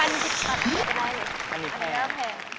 อันนี้แพง